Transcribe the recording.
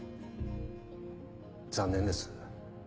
残念です。